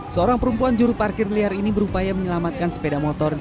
seorang perempuan juru parkir liar ini berupaya menyelamatkan sepeda motor